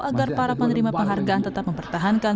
agar para penerima penghargaan tetap mempertahankan